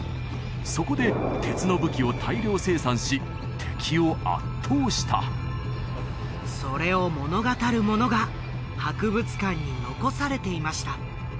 そこで鉄の武器を大量生産し敵を圧倒したそれを物語るものが博物館に残されていました